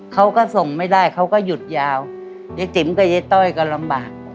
เขาก็ส่งไม่ได้เขาก็หยุดยาวยายติ๋มกับยายต้อยก็ลำบาก